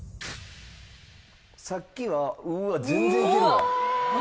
さっきはうわっ全然いけるわ。